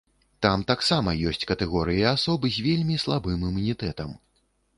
Там таксама ёсць катэгорыі асоб з вельмі слабым імунітэтам.